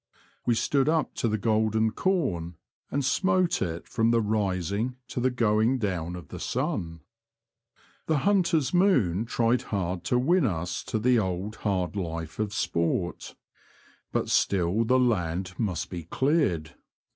We stood up to the golden corn and smote it from the rising to the going down of the sun. The hunters' moon tried 46 The Confessions of a T^oacher. hard to win us to the old hard life of sport ; but still the land must be cleared.